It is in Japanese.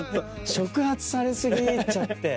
触発され過ぎちゃって。